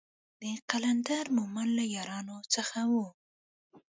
د قلندر مومند له يارانو څخه و.